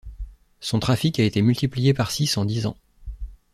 Son trafic a été multiplié par six en dix ans.